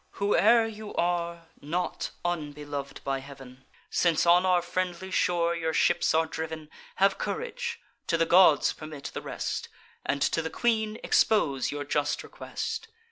"Whoe'er you are, not unbelov'd by Heav'n, Since on our friendly shore your ships are driv'n: Have courage: to the gods permit the rest, And to the queen expose your just request.